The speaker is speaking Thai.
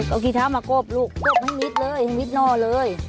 เอากี่เท้ามากบลูกกบให้มิดเลยมิดน่อเลย